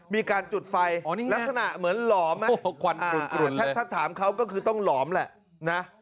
มีการจุดไฟลักษณะเหมือนหลอมนะควันถ้าถามเขาก็คือต้องหลอมแหละนะ